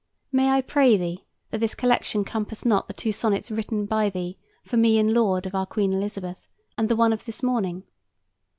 May I pray thee that this collection compass not the two sonnets written by thee for me in laud of our Queen Elizabeth, and the one of this morning?